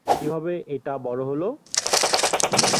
কিভাবে এটা বড় হলো?